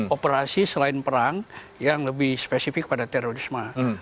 operasi selain perang yang lebih spesifik pada terorisme